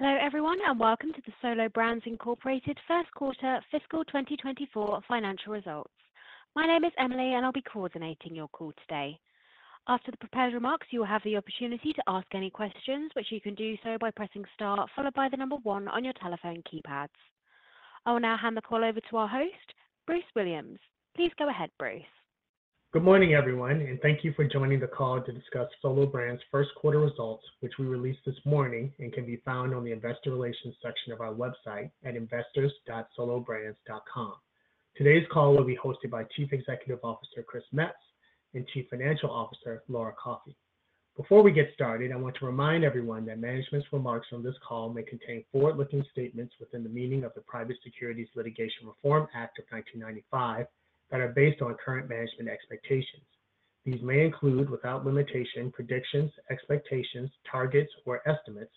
Hello everyone, and welcome to the Solo Brands Incorporated first quarter fiscal 2024 financial results. My name is Emily, and I'll be coordinating your call today. After the prepared remarks, you will have the opportunity to ask any questions, which you can do so by pressing star followed by the number one on your telephone keypads. I will now hand the call over to our host, Bruce Williams. Please go ahead, Bruce. Good morning everyone, and thank you for joining the call to discuss Solo Brands' first quarter results, which we released this morning and can be found on the investor relations section of our website at investors.solobrands.com. Today's call will be hosted by Chief Executive Officer Chris Metz and Chief Financial Officer Laura Coffey. Before we get started, I want to remind everyone that management's remarks on this call may contain forward-looking statements within the meaning of the Private Securities Litigation Reform Act of 1995 that are based on current management expectations. These may include, without limitation, predictions, expectations, targets, or estimates,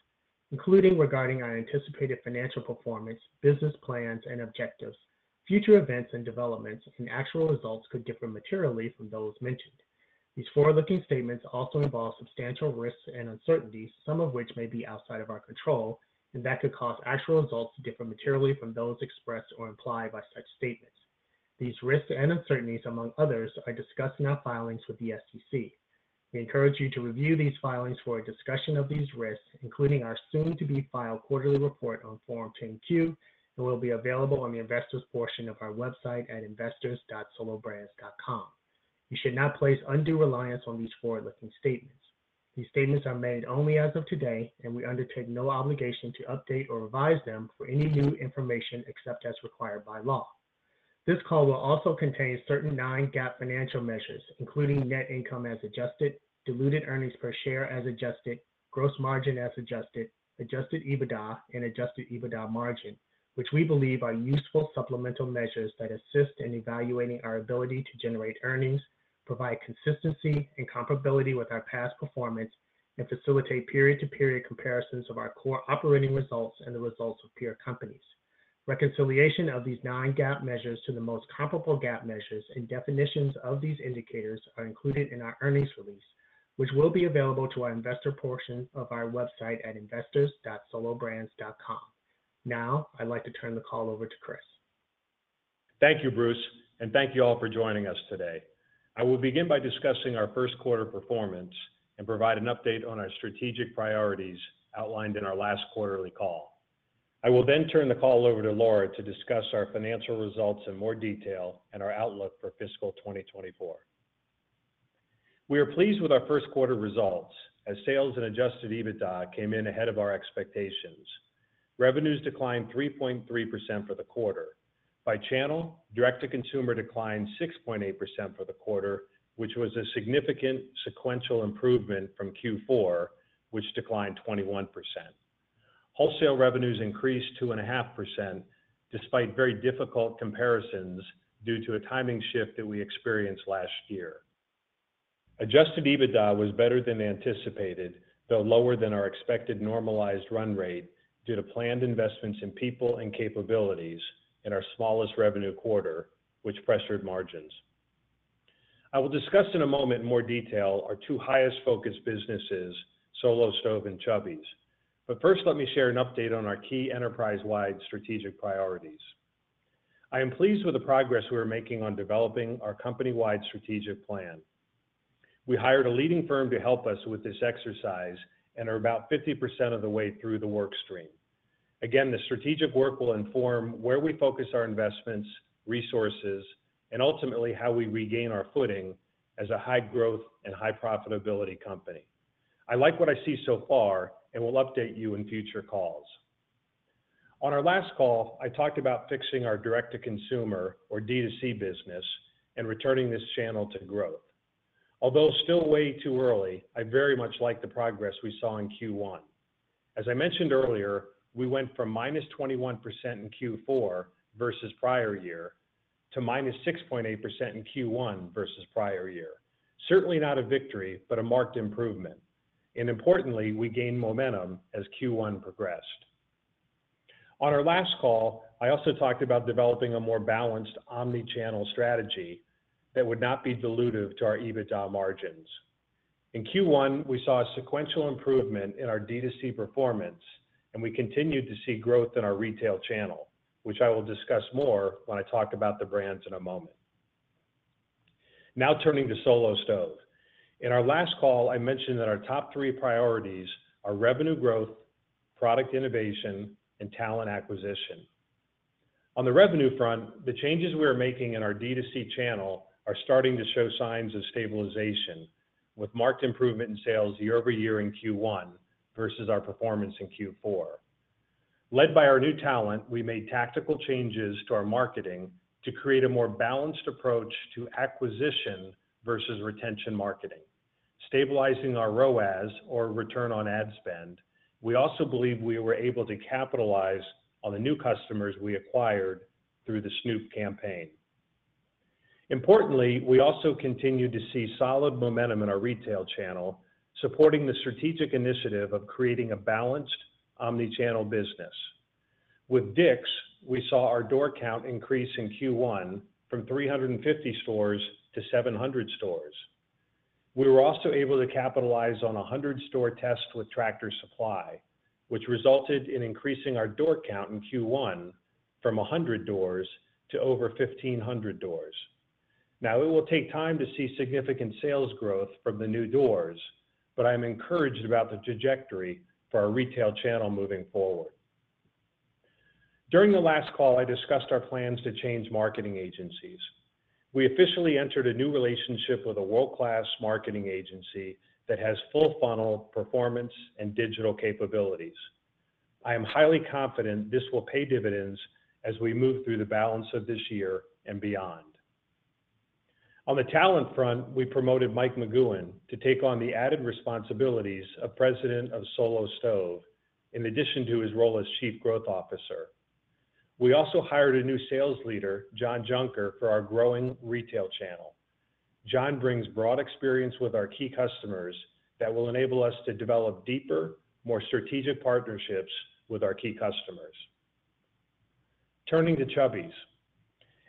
including regarding our anticipated financial performance, business plans, and objectives. Future events and developments and actual results could differ materially from those mentioned. These forward-looking statements also involve substantial risks and uncertainties, some of which may be outside of our control, and that could cause actual results to differ materially from those expressed or implied by such statements. These risks and uncertainties, among others, are discussed in our filings with the SEC. We encourage you to review these filings for a discussion of these risks, including our soon-to-be-filed quarterly report on Form 10-Q, and will be available on the investors' portion of our website at investors.solobrands.com. You should not place undue reliance on these forward-looking statements. These statements are made only as of today, and we undertake no obligation to update or revise them for any new information except as required by law. This call will also contain certain non-GAAP financial measures, including net income as adjusted, diluted earnings per share as adjusted, gross margin as adjusted, adjusted EBITDA, and adjusted EBITDA margin, which we believe are useful supplemental measures that assist in evaluating our ability to generate earnings, provide consistency and comparability with our past performance, and facilitate period-to-period comparisons of our core operating results and the results of peer companies. Reconciliation of these non-GAAP measures to the most comparable GAAP measures and definitions of these indicators are included in our earnings release, which will be available to our investor portion of our website at investors.solobrands.com. Now, I'd like to turn the call over to Chris. Thank you, Bruce, and thank you all for joining us today. I will begin by discussing our first quarter performance and provide an update on our strategic priorities outlined in our last quarterly call. I will then turn the call over to Laura to discuss our financial results in more detail and our outlook for fiscal 2024. We are pleased with our first quarter results as sales and Adjusted EBITDA came in ahead of our expectations. Revenues declined 3.3% for the quarter. By channel, direct-to-consumer declined 6.8% for the quarter, which was a significant sequential improvement from Q4, which declined 21%. Wholesale revenues increased 2.5% despite very difficult comparisons due to a timing shift that we experienced last year. Adjusted EBITDA was better than anticipated, though lower than our expected normalized run rate due to planned investments in people and capabilities in our smallest revenue quarter, which pressured margins. I will discuss in a moment in more detail our two highest focus businesses, Solo Stove and Chubbies. But first, let me share an update on our key enterprise-wide strategic priorities. I am pleased with the progress we are making on developing our company-wide strategic plan. We hired a leading firm to help us with this exercise and are about 50% of the way through the workstream. Again, the strategic work will inform where we focus our investments, resources, and ultimately how we regain our footing as a high-growth and high-profitability company. I like what I see so far and will update you in future calls. On our last call, I talked about fixing our direct-to-consumer, or D2C, business and returning this channel to growth. Although still way too early, I very much like the progress we saw in Q1. As I mentioned earlier, we went from -21% in Q4 versus prior year to -6.8% in Q1 versus prior year. Certainly not a victory, but a marked improvement. Importantly, we gained momentum as Q1 progressed. On our last call, I also talked about developing a more balanced omnichannel strategy that would not be dilutive to our EBITDA margins. In Q1, we saw a sequential improvement in our D2C performance, and we continued to see growth in our retail channel, which I will discuss more when I talk about the brands in a moment. Now turning to Solo Stove. In our last call, I mentioned that our top three priorities are revenue growth, product innovation, and talent acquisition. On the revenue front, the changes we are making in our D2C channel are starting to show signs of stabilization, with marked improvement in sales year-over-year in Q1 versus our performance in Q4. Led by our new talent, we made tactical changes to our marketing to create a more balanced approach to acquisition versus retention marketing, stabilizing our ROAS, or return on ad spend. We also believe we were able to capitalize on the new customers we acquired through the Snoop campaign. Importantly, we also continue to see solid momentum in our retail channel, supporting the strategic initiative of creating a balanced omnichannel business. With Dick's, we saw our door count increase in Q1 from 350 stores to 700 stores. We were also able to capitalize on a 100-store test with Tractor Supply, which resulted in increasing our door count in Q1 from 100 doors to over 1,500 doors. Now, it will take time to see significant sales growth from the new doors, but I am encouraged about the trajectory for our retail channel moving forward. During the last call, I discussed our plans to change marketing agencies. We officially entered a new relationship with a world-class marketing agency that has full-funnel performance and digital capabilities. I am highly confident this will pay dividends as we move through the balance of this year and beyond. On the talent front, we promoted Mike McGoohan to take on the added responsibilities of President of Solo Stove in addition to his role as Chief Growth Officer. We also hired a new sales leader, John Junker, for our growing retail channel. John brings broad experience with our key customers that will enable us to develop deeper, more strategic partnerships with our key customers. Turning to Chubbies.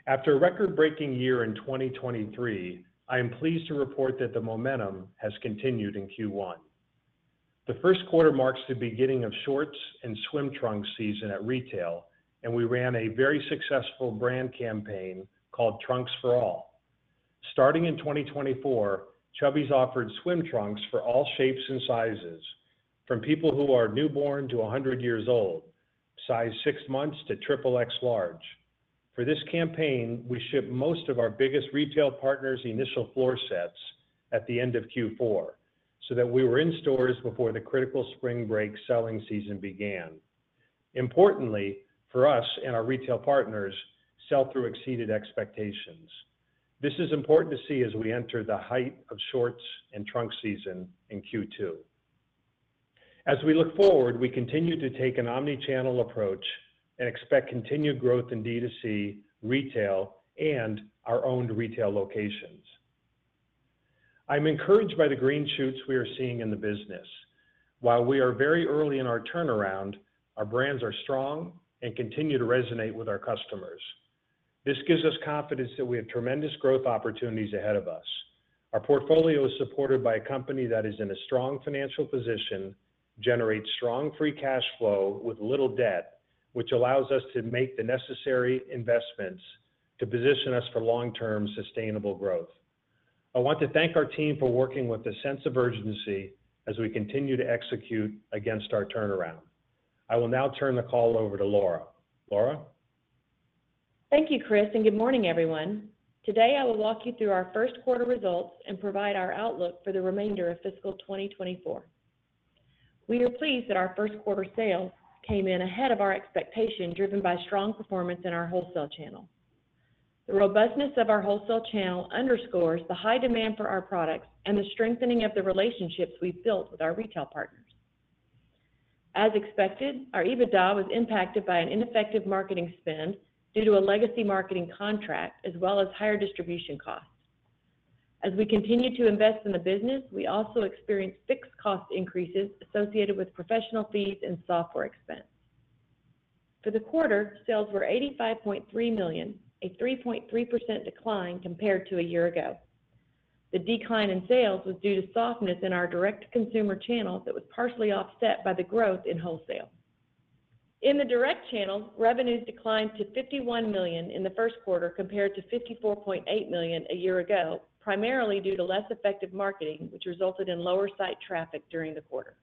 After a record-breaking year in 2023, I am pleased to report that the momentum has continued in Q1. The first quarter marks the beginning of shorts and swim trunks season at retail, and we ran a very successful brand campaign called Trunks for All. Starting in 2024, Chubbies offered swim trunks for all shapes and sizes, from people who are newborn to 100 years old, size six months to triple X large. For this campaign, we shipped most of our biggest retail partners' initial floor sets at the end of Q4 so that we were in stores before the critical spring break selling season began. Importantly, for us and our retail partners, sell-through exceeded expectations. This is important to see as we enter the height of shorts and trunks season in Q2. As we look forward, we continue to take an omnichannel approach and expect continued growth in D2C, retail, and our owned retail locations. I am encouraged by the green shoots we are seeing in the business. While we are very early in our turnaround, our brands are strong and continue to resonate with our customers. This gives us confidence that we have tremendous growth opportunities ahead of us. Our portfolio is supported by a company that is in a strong financial position, generates strong free cash flow with little debt, which allows us to make the necessary investments to position us for long-term sustainable growth. I want to thank our team for working with a sense of urgency as we continue to execute against our turnaround. I will now turn the call over to Laura. Laura. Thank you, Chris, and good morning, everyone. Today, I will walk you through our first quarter results and provide our outlook for the remainder of fiscal 2024. We are pleased that our first quarter sales came in ahead of our expectation, driven by strong performance in our wholesale channel. The robustness of our wholesale channel underscores the high demand for our products and the strengthening of the relationships we've built with our retail partners. As expected, our EBITDA was impacted by an ineffective marketing spend due to a legacy marketing contract as well as higher distribution costs. As we continue to invest in the business, we also experience fixed cost increases associated with professional fees and software expense. For the quarter, sales were $85.3 million, a 3.3% decline compared to a year ago. The decline in sales was due to softness in our direct-to-consumer channel that was partially offset by the growth in wholesale. In the direct channel, revenues declined to $51 million in the first quarter compared to $54.8 million a year ago, primarily due to less effective marketing, which resulted in lower site traffic during the quarter.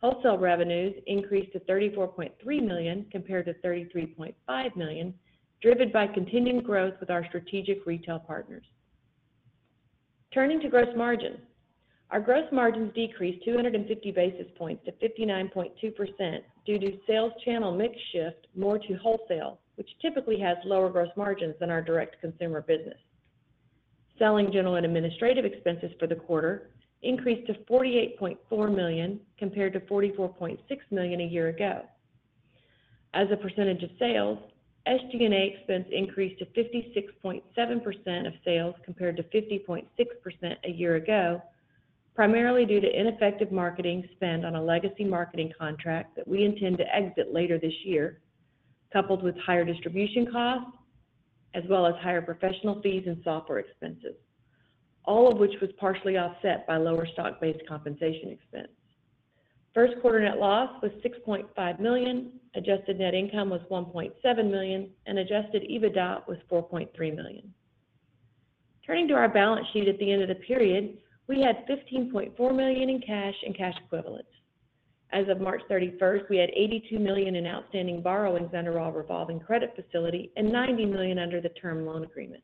Wholesale revenues increased to $34.3 million compared to $33.5 million, driven by continued growth with our strategic retail partners. Turning to gross margin, our gross margins decreased 250 basis points to 59.2% due to sales channel mix shift more to wholesale, which typically has lower gross margins than our direct-to-consumer business. Selling, general, and administrative expenses for the quarter increased to $48.4 million compared to $44.6 million a year ago. As a percentage of sales, SG&A expense increased to 56.7% of sales compared to 50.6% a year ago, primarily due to ineffective marketing spend on a legacy marketing contract that we intend to exit later this year, coupled with higher distribution costs as well as higher professional fees and software expenses, all of which was partially offset by lower stock-based compensation expense. First quarter net loss was $6.5 million, adjusted net income was $1.7 million, and adjusted EBITDA was $4.3 million. Turning to our balance sheet at the end of the period, we had $15.4 million in cash and cash equivalents. As of March 31st, we had $82 million in outstanding borrowings under our revolving credit facility and $90 million under the term loan agreement.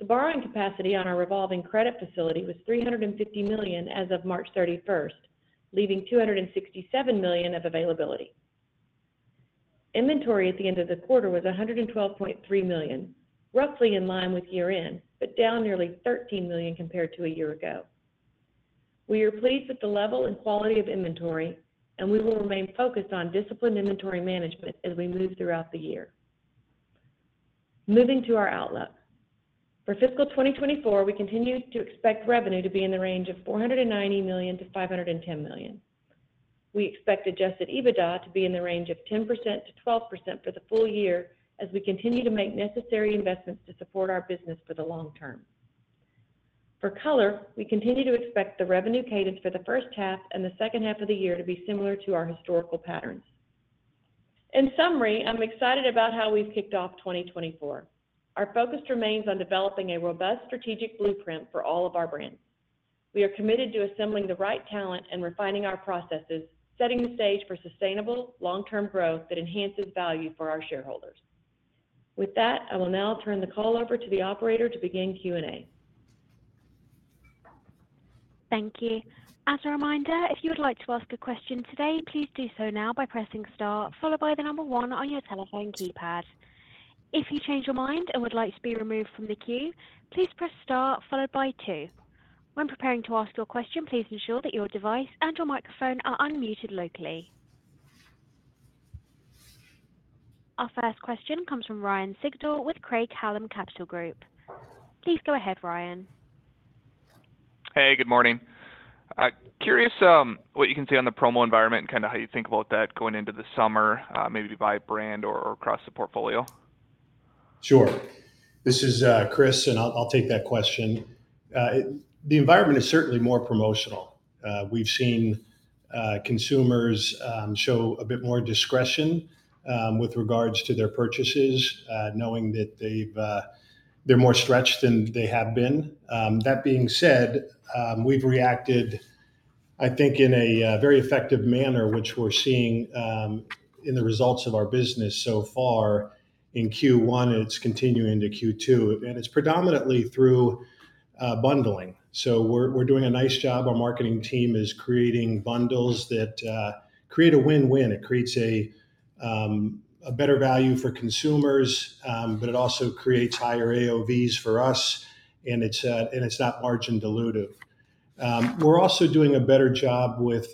The borrowing capacity on our revolving credit facility was $350 million as of March 31st, leaving $267 million of availability. Inventory at the end of the quarter was $112.3 million, roughly in line with year-end but down nearly $13 million compared to a year ago. We are pleased with the level and quality of inventory, and we will remain focused on disciplined inventory management as we move throughout the year. Moving to our outlook. For fiscal 2024, we continue to expect revenue to be in the range of $490 million-$510 million. We expect adjusted EBITDA to be in the range of 10%-12% for the full year as we continue to make necessary investments to support our business for the long term. For color, we continue to expect the revenue cadence for the first half and the second half of the year to be similar to our historical patterns. In summary, I'm excited about how we've kicked off 2024. Our focus remains on developing a robust strategic blueprint for all of our brands. We are committed to assembling the right talent and refining our processes, setting the stage for sustainable, long-term growth that enhances value for our shareholders. With that, I will now turn the call over to the operator to begin Q&A. Thank you. As a reminder, if you would like to ask a question today, please do so now by pressing star, followed by one on your telephone keypad. If you change your mind and would like to be removed from the queue, please press star, followed by two. When preparing to ask your question, please ensure that your device and your microphone are unmuted locally. Our first question comes from Ryan Sigdahl with Craig-Hallum Capital Group. Please go ahead, Ryan. Hey, good morning. Curious what you can see on the promo environment and kind of how you think about that going into the summer, maybe by brand or across the portfolio? Sure. This is Chris, and I'll take that question. The environment is certainly more promotional. We've seen consumers show a bit more discretion with regards to their purchases, knowing that they're more stretched than they have been. That being said, we've reacted, I think, in a very effective manner, which we're seeing in the results of our business so far. In Q1, it's continuing to Q2, and it's predominantly through bundling. So we're doing a nice job. Our marketing team is creating bundles that create a win-win. It creates a better value for consumers, but it also creates higher AOVs for us, and it's not margin dilutive. We're also doing a better job with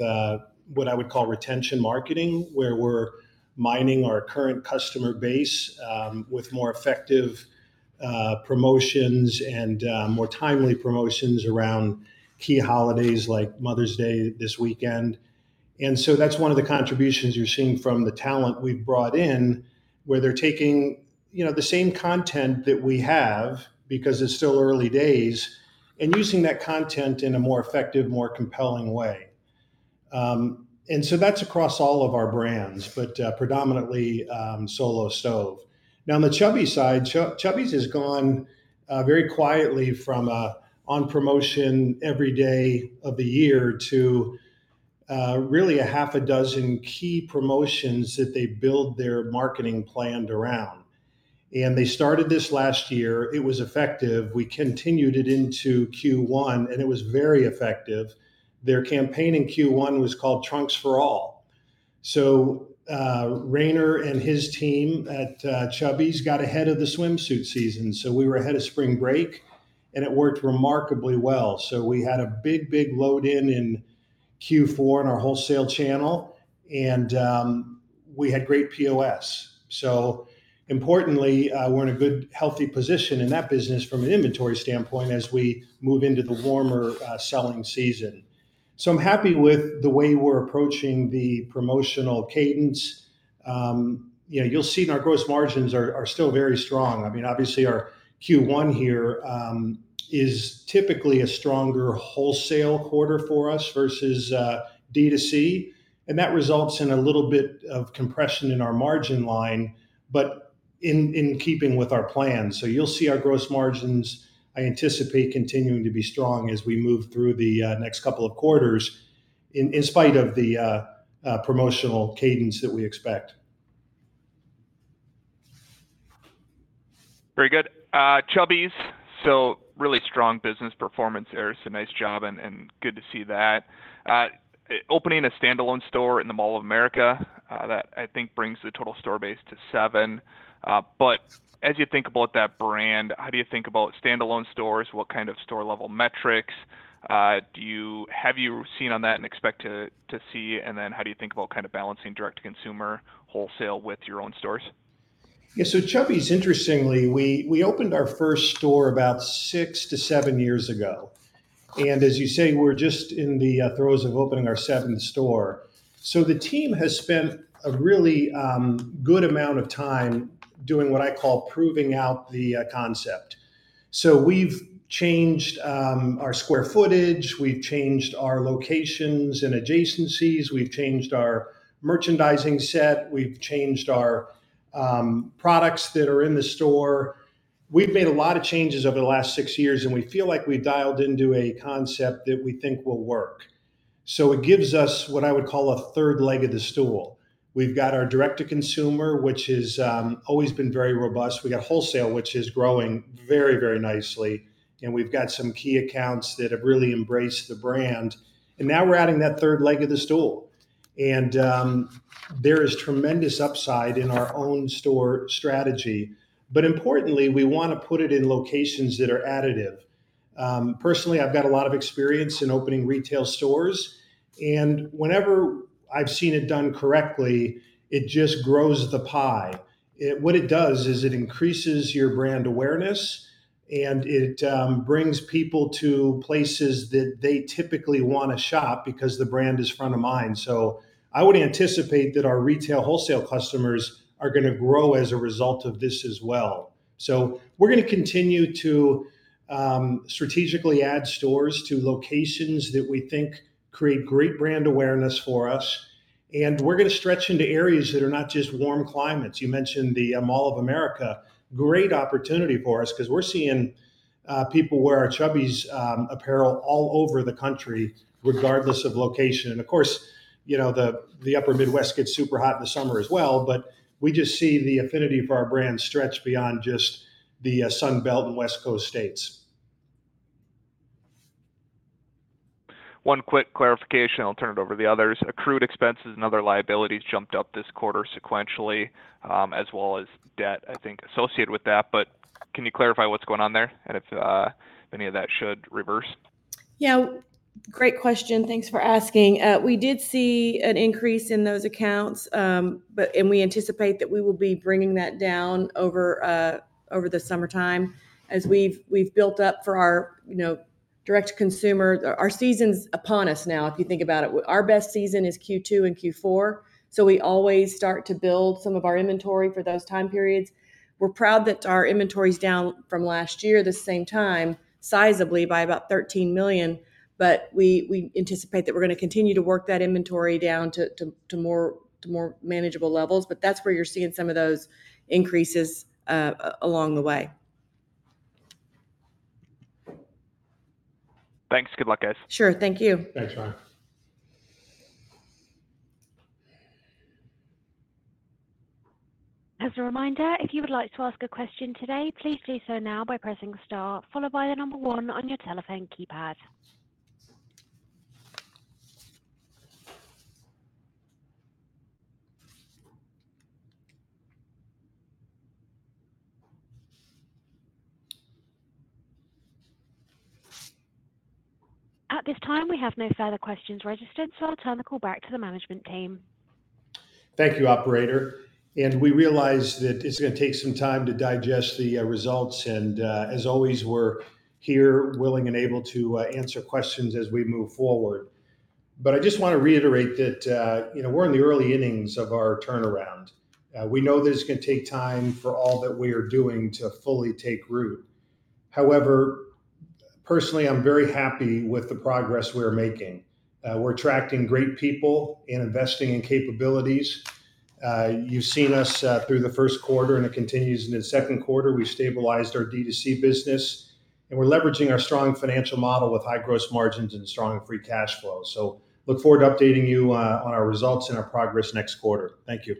what I would call retention marketing, where we're mining our current customer base with more effective promotions and more timely promotions around key holidays like Mother's Day this weekend. That's one of the contributions you're seeing from the talent we've brought in, where they're taking the same content that we have because it's still early days and using that content in a more effective, more compelling way. That's across all of our brands, but predominantly Solo Stove. Now, on the Chubbies side, Chubbies has gone very quietly from on promotion every day of the year to really a half a dozen key promotions that they build their marketing plan around. They started this last year. It was effective. We continued it into Q1, and it was very effective. Their campaign in Q1 was called Trunks for All. Rainer and his team at Chubbies got ahead of the swimsuit season. We were ahead of spring break, and it worked remarkably well. So we had a big, big load-in in Q4 in our wholesale channel, and we had great POS. So importantly, we're in a good, healthy position in that business from an inventory standpoint as we move into the warmer selling season. So I'm happy with the way we're approaching the promotional cadence. You'll see our gross margins are still very strong. I mean, obviously, our Q1 here is typically a stronger wholesale quarter for us versus D2C. And that results in a little bit of compression in our margin line but in keeping with our plan. So you'll see our gross margins, I anticipate, continuing to be strong as we move through the next couple of quarters in spite of the promotional cadence that we expect. Very good. Chubbies, so really strong business performance there. It's a nice job, and good to see that. Opening a standalone store in the Mall of America, that, I think, brings the total store base to seven. But as you think about that brand, how do you think about standalone stores? What kind of store-level metrics have you seen on that and expect to see? And then how do you think about kind of balancing direct-to-consumer wholesale with your own stores? Yeah. So Chubbies, interestingly, we opened our first store about 6-7 years ago. And as you say, we're just in the throes of opening our seventh store. So the team has spent a really good amount of time doing what I call proving out the concept. So we've changed our square footage. We've changed our locations and adjacencies. We've changed our merchandising set. We've changed our products that are in the store. We've made a lot of changes over the last 6 years, and we feel like we've dialed into a concept that we think will work. So it gives us what I would call a third leg of the stool. We've got our direct-to-consumer, which has always been very robust. We got wholesale, which is growing very, very nicely. And we've got some key accounts that have really embraced the brand. And now we're adding that third leg of the stool. There is tremendous upside in our own store strategy. Importantly, we want to put it in locations that are additive. Personally, I've got a lot of experience in opening retail stores. Whenever I've seen it done correctly, it just grows the pie. What it does is it increases your brand awareness, and it brings people to places that they typically want to shop because the brand is front of mind. I would anticipate that our retail wholesale customers are going to grow as a result of this as well. We're going to continue to strategically add stores to locations that we think create great brand awareness for us. We're going to stretch into areas that are not just warm climates. You mentioned the Mall of America, great opportunity for us because we're seeing people wear our Chubbies apparel all over the country, regardless of location. And of course, the upper Midwest gets super hot in the summer as well. But we just see the affinity for our brand stretch beyond just the Sunbelt and West Coast states. One quick clarification. I'll turn it over to the others. Accrued expenses and other liabilities jumped up this quarter sequentially, as well as debt, I think, associated with that. But can you clarify what's going on there and if any of that should reverse? Yeah. Great question. Thanks for asking. We did see an increase in those accounts, and we anticipate that we will be bringing that down over the summertime as we've built up for our direct-to-consumer our season's upon us now, if you think about it. Our best season is Q2 and Q4. So we always start to build some of our inventory for those time periods. We're proud that our inventory's down from last year at the same time, sizably, by about $13 million. But we anticipate that we're going to continue to work that inventory down to more manageable levels. But that's where you're seeing some of those increases along the way. Thanks. Good luck, guys. Sure. Thank you. Thanks, Ryan. As a reminder, if you would like to ask a question today, please do so now by pressing star, followed by the number one on your telephone keypad. At this time, we have no further questions registered, so I'll turn the call back to the management team. Thank you, operator. We realize that it's going to take some time to digest the results. As always, we're here willing and able to answer questions as we move forward. I just want to reiterate that we're in the early innings of our turnaround. We know that it's going to take time for all that we are doing to fully take root. However, personally, I'm very happy with the progress we're making. We're attracting great people and investing in capabilities. You've seen us through the first quarter, and it continues in the second quarter. We've stabilized our D2C business, and we're leveraging our strong financial model with high gross margins and strong free cash flow. Look forward to updating you on our results and our progress next quarter. Thank you.